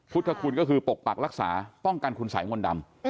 พุทธคุณคือปกปรักหลักษาป้องกันภูมิสายมนต์ดำ